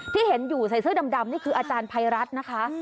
ที่เห็นอยู่ใส่เสื้อดำนี่คืออาจารย์ภัยรัฐนะคะ